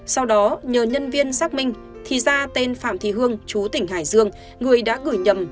sau đó nhờ nhân viên xác minh thì ra tên phạm thị hương chú tỉnh hải dương người đã gửi nhầm